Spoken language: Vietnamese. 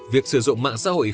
việc sử dụng mạng xã hội không ảnh